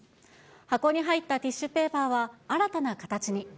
箱に入ったティッシュペーパーは新たな形に。